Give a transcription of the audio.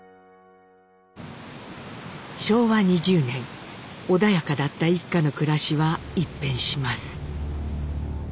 昭和２０年穏やかだった一家の暮らしは一変します。